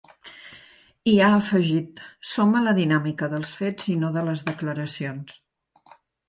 I ha afegit: Som a la dinàmica dels fets i no de les declaracions.